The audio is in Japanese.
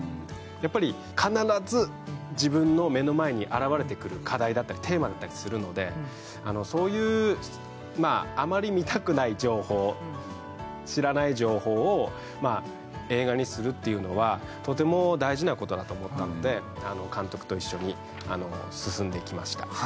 やっぱり必ず自分の目の前に現れてくる課題だったりテーマだったりするのでそういうまああまり見たくない情報知らない情報を映画にするっていうのはとても大事なことだと思ったので監督と一緒に進んできました